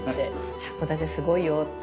函館すごいよって。